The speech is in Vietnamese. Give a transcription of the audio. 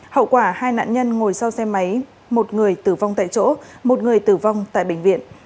hậu quả hai nạn nhân ngồi sau xe máy một người tử vong tại chỗ một người tử vong tại bệnh viện